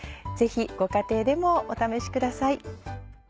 ぜひご家庭でもお試しください。